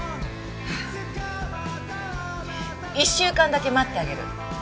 １週間だけ待ってあげる。